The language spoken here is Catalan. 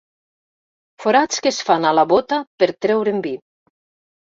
Forats que es fan a la bóta per treure'n vi.